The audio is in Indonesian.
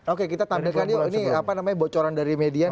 oke kita tampilkan yuk ini apa namanya bocoran dari media